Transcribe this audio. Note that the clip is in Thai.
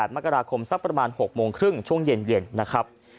มกราคมสักประมาณ๖โมงครึ่งช่วงเย็นนะครับ